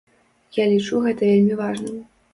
Я лічу гэта вельмі важным.